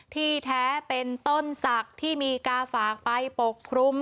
ที่แท้เป็นต้นศักดิ์ที่มีกาฝากไปปกครุม